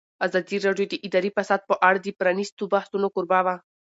ازادي راډیو د اداري فساد په اړه د پرانیستو بحثونو کوربه وه.